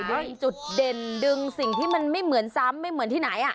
ดึงจุดเด่นดึงสิ่งที่มันไม่เหมือนซ้ำไม่เหมือนที่ไหน